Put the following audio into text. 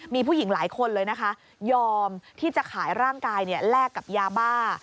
มีผู้หญิงหลายคนเลยนะคะยอมที่จะขายร่างกายแลกกับยาบ้า